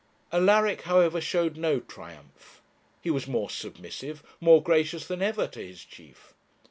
Alaric, however, showed no triumph. He was more submissive, more gracious than ever to his chief.